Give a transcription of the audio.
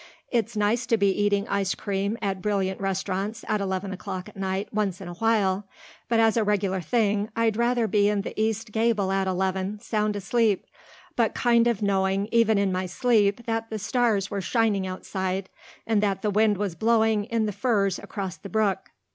It's nice to be eating ice cream at brilliant restaurants at eleven o'clock at night once in a while; but as a regular thing I'd rather be in the east gable at eleven, sound asleep, but kind of knowing even in my sleep that the stars were shining outside and that the wind was blowing in the firs across the brook.